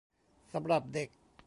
สำหรับเด็ก